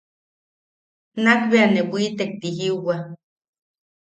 Nakbea ne bwitek ti jiuwa.